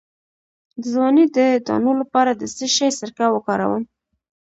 د ځوانۍ د دانو لپاره د څه شي سرکه وکاروم؟